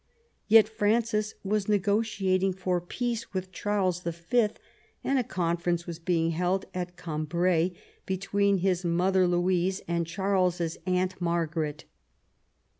Yet Francis was negotiating for peace with Charles V., and a conference was being held at Cambrai between his mother Louise and Charles's aunt Margaret.